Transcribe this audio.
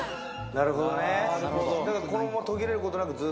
なるほど。